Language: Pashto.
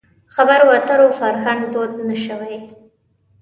خبرو اترو فرهنګ دود نه شوی.